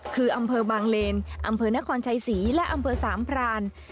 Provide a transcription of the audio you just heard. คืออำเภอบางเลนอำเภอนครชัยศรีและอำเภอสามพราน